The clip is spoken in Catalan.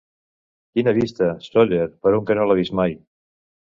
Quina vista, Sóller, per un que no l'ha vist mai!